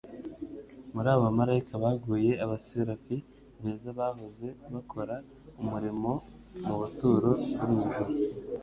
muri abo bamarayika baguye, abaserafi beza bahoze bakora umurimo mu buturo bwo mu ijuru?